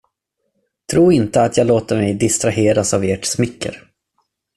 Tro inte, att jag låter mig distraheras av ert smicker.